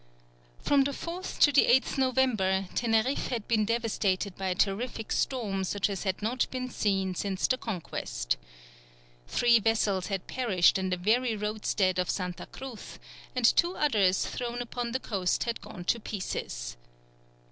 From the 4th to the 8th November, Teneriffe had been devastated by a terrific storm such as had not been seen since the Conquest. Three vessels had perished in the very roadstead of Santa Cruz, and two others thrown upon the coast had gone to pieces.